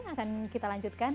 akan kita lanjutkan